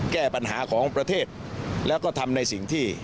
แก้ปัญหาของประเทศแล้วก็ทำในสิ่งที่